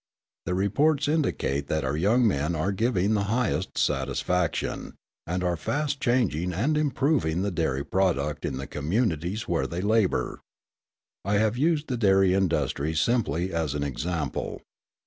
The reports indicate that our young men are giving the highest satisfaction, and are fast changing and improving the dairy product in the communities where they labour. I have used the dairy industry simply as an example.